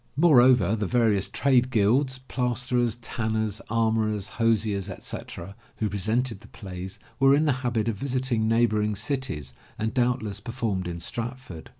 Moreover, the various trade guilds, plasterers, tanners, armourers, hosiers, etc. who pre 156 THE LATCH KEY sented the plays were in the habit of visiting neighboring cities and doubtless performed in Stratford.